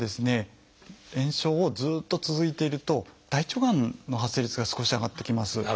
炎症をずっと続いていると大腸がんの発生率が少し上がってきます。